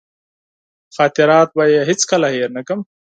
خاطرات به یې هېڅکله هېر نه کړم.